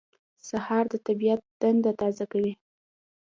سهار د طبیعت دنده تازه کوي.